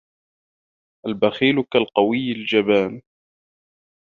الْبَخِيلُ كَالْقَوِيِّ الْجَبَانِ